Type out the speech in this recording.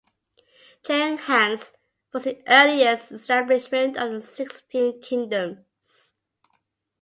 Cheng Han's was the earliest establishment of the Sixteen Kingdoms.